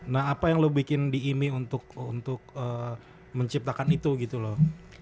nah apa yang lo bikin di imi untuk menciptakan itu gitu loh